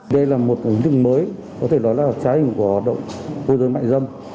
đây là một hình thức mới có thể nói là trái hình của hội đồng môi giới mại dâm